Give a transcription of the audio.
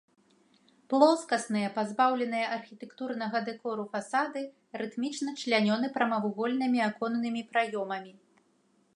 Плоскасныя, пазбаўленыя архітэктурнага дэкору фасады рытмічна члянёны прамавугольнымі аконнымі праёмамі.